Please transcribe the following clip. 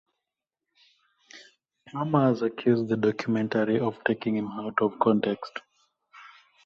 Palmer has accused the documentary of taking him out of context.